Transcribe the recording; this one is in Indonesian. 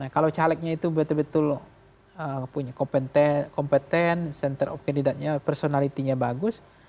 kalau calegnya itu betul betul punya kompeten center of candidatnya personality nya bagus